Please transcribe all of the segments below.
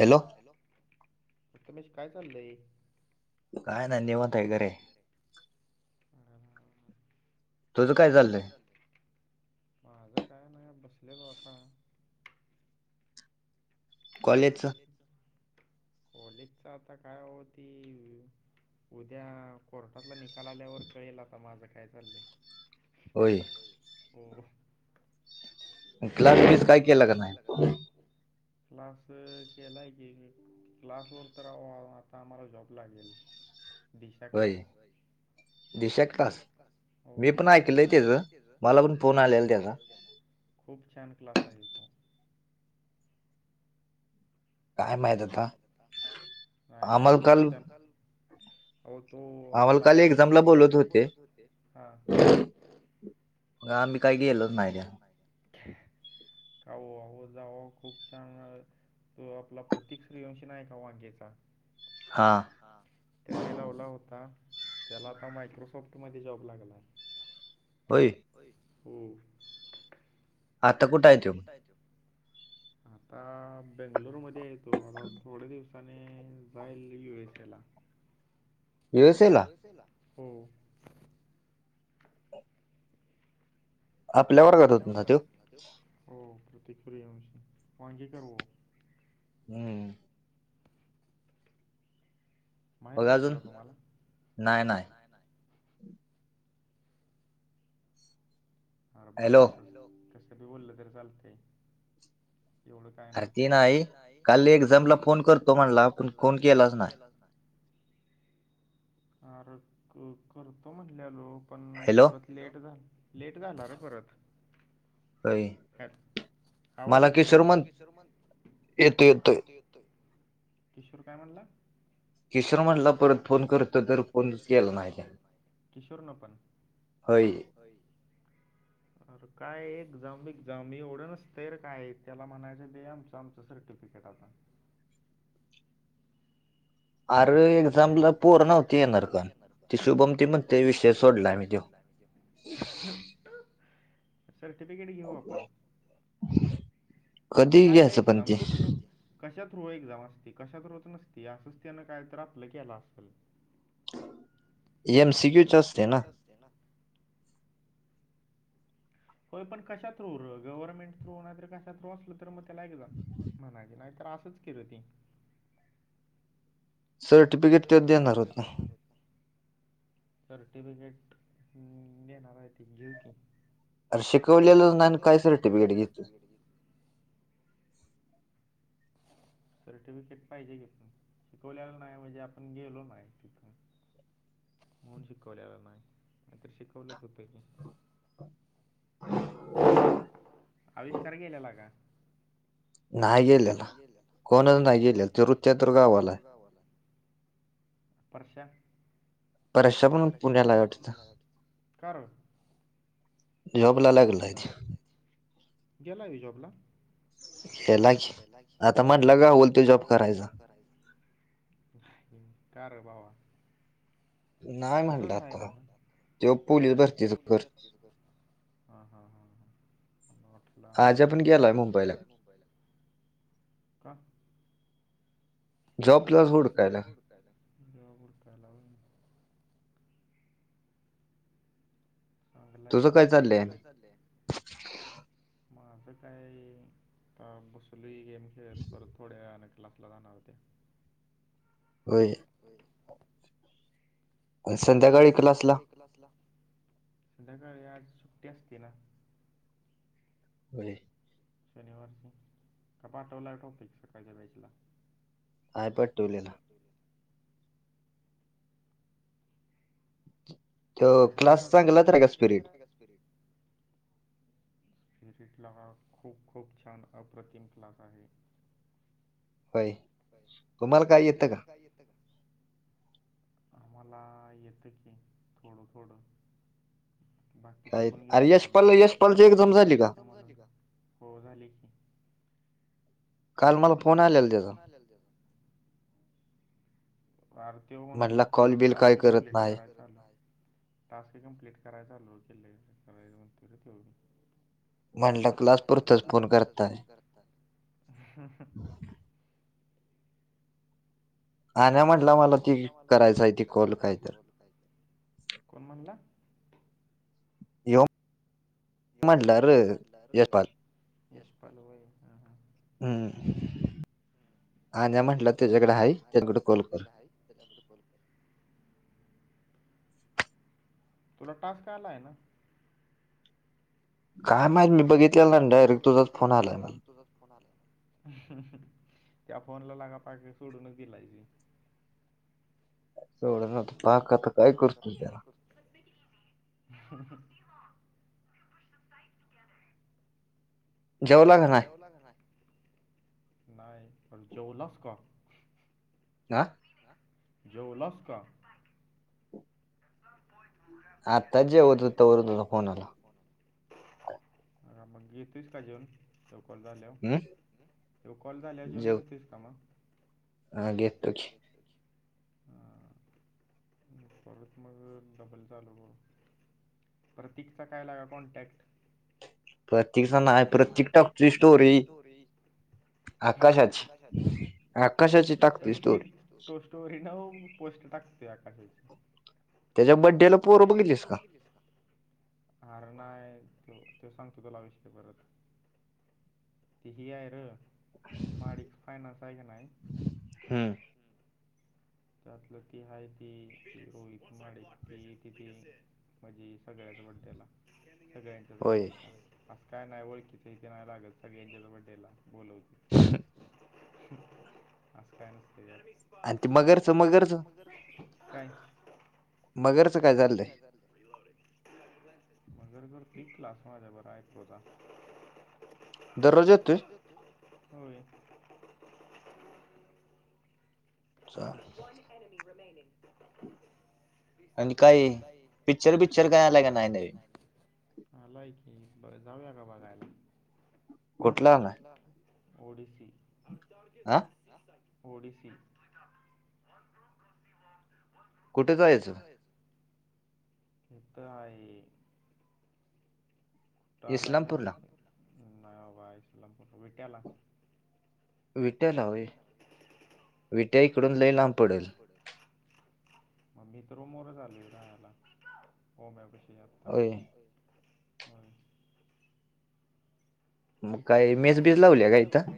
Hello, hello, Prathamesh काय चाललंय? काय नाही, निेवत आहे घरीय, कस काय, माझं काय नाही बसलेलो आता. कॉलेज, कॉलेजचा आता काय होती. उद्या, कोर्टातला निकाल आल्यावर कळेल आता माझं काय चाललंय. होय, हो हो क्लास बीस काय केला का नाही. क्लास केलाय की क्लासवरर तर आता आम्हाला जॉब लागेल. दिशा क्लास. दिशा क त मी पण ऐकलंय त्याच मला पण फोन आलेल त्याचा खूप छान क्लास आहे तो. काय माहित आता आमल काल हो तो आम्हाला काल एक्झामला बोलत होते. म आम्ही काही ग गेलोत नाही त्या काह आह जा खूप छान तो आपला प्रतीक सूर्यवंशी नाही का? वाांगेचा. हां, त्याने लावला होता. त्याला आता मायक्रोसॉफ्टमध्ये जॉब लागलाय. होय हो हम्म आता कुठे हाय तो? आता बेंगलुरू मध्ये येतो आता थोडे दिवस जाईल यू एसए ला यु एस ए ला? आपल्या वर्गात होता ना तो? हो प्रतीक सूर्यवंशी वांगीकर ओ. हम्म माहित नव्हतं का तुम्हाला? नाही ना. अर बोला अस कसबी बोललं तरी चालतं एवढं काय नाही. ते नाही काल एजमला फोन करतो म्हणला आपण फोन केलाच ना अर! करतो म्हटल्यालो पण परत लेट झाल. लेट झाला र परत. काय? आवाज येतोय ना माझा? येतोय येतोय. किशोर काय म्हणला? किशोर म्हणला परत फोन करतो तर फोन केला नाही किशोर न पण होय. अर काय एक्झाम एक्झाम एवढं नसतं काय रकाय त्याला म्हणायचं ते आमच आमच त सर्टिफिकेट आता अर! एक्झामला पोरं नव्हती येणार कोण ती शुभम त म्हणते विषय सोडलाय मी तो. [unintelligible] [inaudible] सर्टिफिकेट घेऊ आपण. काय रे एक्झाम कुठ नक कशा थ्रुव एक्झाम असती कशा थ्रूच नसती या असस्त्यानं कायत आपलं केलं असल. एम सी कू ची असते ना? होय पण कशा थ्रू गव्हर्मेंट थ्रू हो नाही तर कशा थ्रू असल. तर मग त्याला एकदा म्हणाय क नाही तर असंच की र ती. सर्टिफिकेट त्योच देणार होता. सर्टिफिकेट देणार हाय ती घेऊ की. अर शिकवलेला काय सर्टिफिकेट घेतोयस.? सर्टिफिकेट पाहिजे की. शिकवलेलं नाही म्हणजे आपण गेलो नाही तिथं. मून शिकवल्याला नाही नाहीतरी शिकवलंच होतं की. ह [inaudible] आविष्कार गेलेला का? नाही गेलेला. कोणच नाही गेले. तो रुत्या तर गावालाय. गावाला. परश्या. का र. गेलाय व्हय जॉबला. गेला की. आता आता म्हणला गावलतो. जॉब करायचा. करायचा. कार भावा. तसंच हाय. हा हा ह ह. मला वाटल काय तस का? जॉबलाच हुडकायला. हुडकायला. जॉब हुडकायला लावुन चांगलंय की. तुझं काय चाललंय. माझं काय. घरात बसलोय गेम खेळत. परत थोड्या वेळान क्सला जाणार त्या. होय. तुम्ही संध्याकाळी कलासला. सकाळी आज सुट्टी असते ना. होय. शनिवारची. का पाटवला टॉपिक् सकाळच्या बॅचला. आय पटवलेला. नाव साग. क्लास चांगलाच राहाका स्पिरिट. व्हीजीटला. हा खूप खूप छान. अप्रतिम क्लास आहे. होय. तुम्हाला काय येतं का? काही येत का? आम्हाला येतं की. थोडं थोडं. बाकी शिकून घेतो आम्ही. हो झाली की. काल मला काल मला फोन आलेला त्याचा. अर त्यो म्हणत होता. ते टास्क कम्प्लीट करायचाल. टास्क कमप्लीट करायचालो. केले. करायच म्हणतोय र त्यो. म्हणला क्लास पुरतच. फोन करताय. करतात. ह ह ह [unintelligible] अन्या म्हन आण्या म्हणला मला ती. करायचय त कॉल काय. कोण म्हणला. यो. यो म्हटला र यशपाल व्हय. हम्म. अन्या म्हंटला त्याच्याकडे हाय. त्याकडे कॉल कर. त्याच्याकड कॉल कर. तुला टास्क आलाय ना. काय माहित. मी बघित काय माहित मी बघितलेलं नाय. डायरेक्ट तुझाच फोन आला. त्या फोनला लागा पाकी. सोडूनच दिलायजी सवढ ना पाक. आता काय करतो त्याला. हा हा [unintelligible] जेवला का नाय? नाय. पण जेवलास का? अ. जेवलास का? आत्ता जेवत होतो तवर तुझा फोन आला. हा, मग घेतोयस का जेऊन? ह्यो कॉल झाल्याव, ह्यो कॉल झाल्याव जेऊन घेतोयस का मग? हा घेतो की. [unintelligible] परत मग डबल चालू करू, प्रतीकचा काय लगा कॉन्टॅक्ट? प्रतिकचा नाय, प्रतिक टाकतोय स्टोरी. आकाशाची, आकाशाची टाकतोय स्टोरी. तो स्टोरी नव्हं, पोस्ट टाकतोय आकाशाची. त्याच्या बड्डेला पोरं बघितलीस का? आर नाय, तो तो सांगतो तुला विषय परत. ती ही आहे र महाडीक फानान्स आहे की नाई हम्म. त्यातलं ती हाय ती, [unintelligible] ती किती म्हजी सगळ्याचं बड्डेला सगळ्यां [unintelligible] अस काय नाही ओळखीच इथे नाही लागत, सगळ्यांच्याच बड्डेला. बोलवते, अस काय नसतंय [unintelligible] [unintelligible] काय? मगरचं काय झाल? मगर करतोय की क्लास माझ्याबर आयकोचा. दररोज येतोय? होय. चाल [unintelligible] अन काय, पिक्चर बिक्चर काय आलाय का नाही? आलाय की ब जाऊया का बघायला? कुठला? ओडिसी, आ ओडीसी. कुठं जायाचं? इथ आहे ट आलाय, इस्लामपूरला नाय बाबा इस्लामपूरला विट्याला. विट्याला? विट्या हिकडून लय लांब पडल. म मी तर रूमवरच आलोय राहायला, ओम्यापशी आता. व्हय, होय. मग काय मेसबीज लावली का इथं?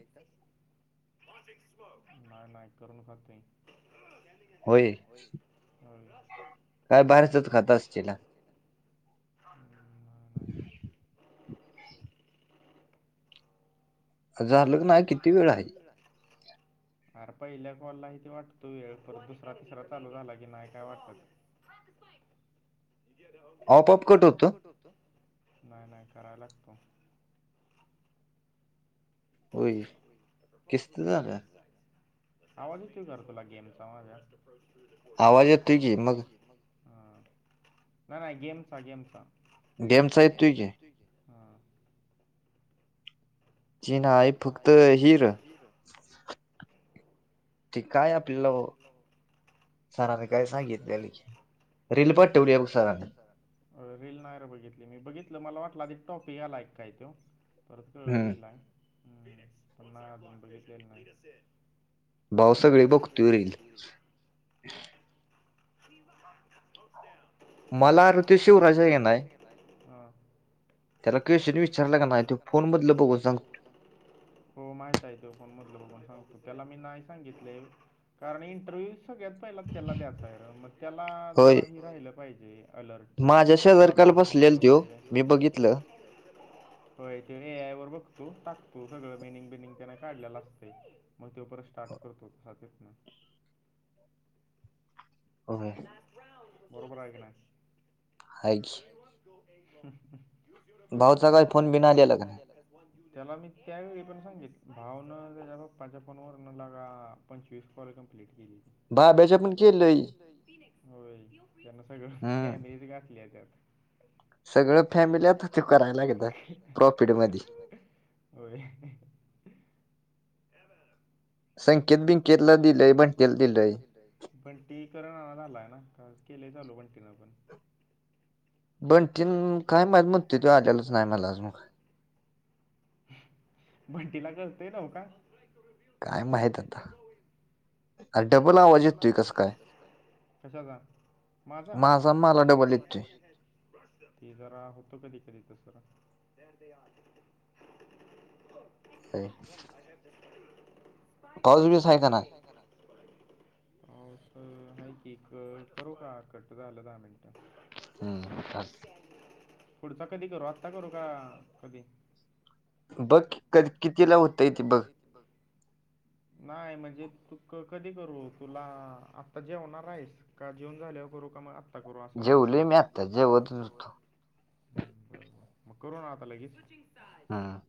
नाही नाही करून खातोय, होय? होय. काय बाहेरचच खात असशीला? [unintelligible] झालं कि नाही किती वेळ आहे? [inaudible] आर पहिल्या कॉलला हिथं वाटतो वेळ, परत दुसरा तिसरा चालू झाला की नाही काय वाटतं. [unintelligible] आपोआप कट होतो? नाही नाही कराय लागतो. [inaudible] आवाज येतोय का र तुला गेमचा माझ्या? आवाज येतोय की मग. हां, नाही नाही गेमचा गेमचा? गेमचा येतोय की. हां ची नाय फक्त ही र ही र ती काय आपल्यालाव सरांनी काय सांगितल्याली रील पाठवल्या बघ सरान. रील नायर बघितली मी बघितलं मला वाटलं आधी टॉपिक आलाय की काय तो परत कळळ रीलाय हम पण नाय अजून बघितल्याल नाई. भाव सगळे बघतोय रील [unintelligible] मला आर त्यो शिवराज हाय कणय. काय हा. त्याला क्वेश्चन विचारला का नाही त्यो फोन मधलं बघून सांगतो. हो माहितय तो फोन मधल सांगतो त्याला मी नाही सांगितलय. कारण इंटरव्ह्यू सगळ्यात पहिला त्याला द्याचाय र मग त्याला जरा हे राहिलं पाहिजे. अलर्ट कि बाबा अस शिकल पाहिजे. होय तो ए आय वर बघतो टाकतो सगळं मिनिंग बिनिंग त्यान काढलेलं असतंय. म त्यो परत स्टार्ट करतो [unintelligible] होय. [unintelligible] बरोबर हाय क नाय. [unintelligible] त्याला मी त्यावेळी पण सांगितलं भावान त्याच्या पप्पाच्या फोनवर न ल्यगा पंचवीस कॉल कंम्पलीट केली. बाब्याच्या पण केलंय. होय त्यांन सगळं फॅमिलीज घातल्या त्यात. सगळ फॅमिली आता त्यो करा [unintelligible] होय संकेत बिंकेतला दिलय बंट्या ला दीलय. बंटी कड झालाय ना त केलेय चालू बंटीन पण. बंटीन काय माहीत म्हणतोय तो आलेलाच नाही मला अजून काय. बंटीला कळतय नव का. काय माहीत आता. डबल आवाज येतोय कस काय कशाचा? माझा माझा मला डबल येतोय. ते जरा होतो कधी कधी तस जरा [unintelligible] आवाज हायकी क करू का कट झालं दहा मिनिटं. पुढचा कधी करू आत्ता करू का कधी? बघ क किती ला होतंय तेे बघ. नाही म्हणजे तू कधी करू तुला आत्ता जेवणार हाईस. का जेऊण झाल्यावर करू का मग आत्ता करू असं म्हटलं र. अत्ता जेवतय होतो. हम्म बर बर मग करू ना आता लगेच. हां.